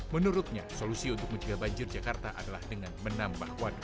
menurutnya solusi untuk menjaga banjir jakarta adalah dengan menambah waduk